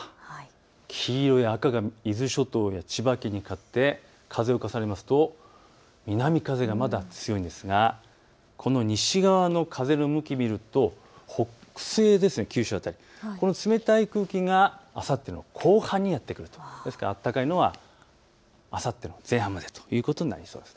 黄色や赤が伊豆諸島や千葉県にかかって風を重ねますと南風がまだ強いんですがこの西側の風の向きを見ると北西、九州辺りこの冷たい空気があさっての後半にやって来るとですから暖かいのはあさっての前半までということになりそうです。